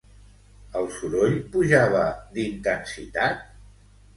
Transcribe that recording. El soroll pujava d'intensitat?